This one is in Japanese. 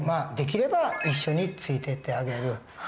できれば一緒についてってあげる。